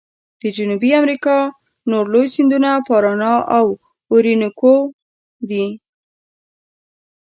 د جنوبي امریکا نور لوی سیندونه پارانا او اورینوکو دي.